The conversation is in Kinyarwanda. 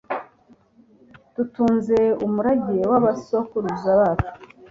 dutunze umurage w'abasokuruza bacu